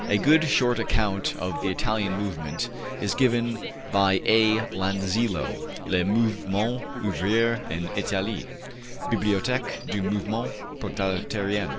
A good, short account of the Italian movement is given by A. Lanzillo, ``Le Mouvement Ouvrier en Italie,'' Bibliotheque du Mouvement Proletarien.